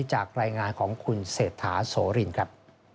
จากรายงานของคุณเศรษฐาโสรินครับ